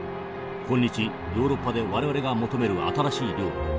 今日ヨーロッパで我々が求める新しい領土。